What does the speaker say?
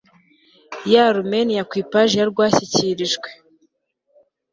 ya arumeniya ku ipaji ya rwashyikirijwe